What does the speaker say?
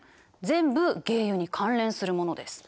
全部鯨油に関連するものです。